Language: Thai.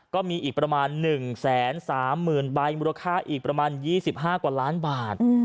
ก็มีอีกประมาณ๑๓๐๐๐ใบมูลค่าอีกประมาณ๒๕กว่าล้านบาท